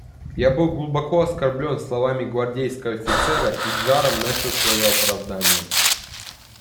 Я был глубоко оскорблен словами гвардейского офицера и с жаром начал свое оправдание.